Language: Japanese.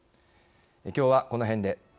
きょうはこの辺で。